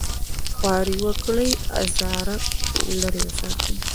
خواري وکړي ازاره لرې وساتي.